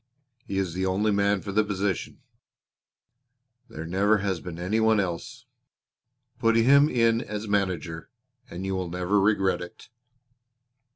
He is the only man for the position there never has been any one else. Put him in as manager and you will never regret it."